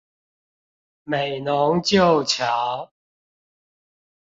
美濃舊橋